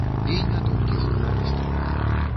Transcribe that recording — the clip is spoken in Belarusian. І не толькі журналістаў.